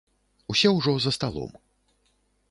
Усе ўжо за сталом.